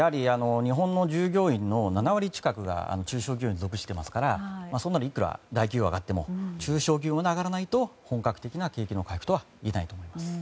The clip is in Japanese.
日本の従業員の７割近くが中小企業に属していますからいくら大企業が上がっても中小企業が上がらないと本格的な景気の回復とは言えないと思います。